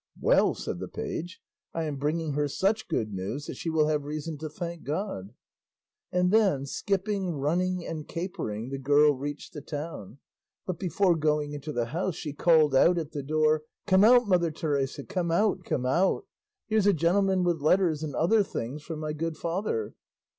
"Well," said the page, "I am bringing her such good news that she will have reason to thank God." And then, skipping, running, and capering, the girl reached the town, but before going into the house she called out at the door, "Come out, mother Teresa, come out, come out; here's a gentleman with letters and other things from my good father."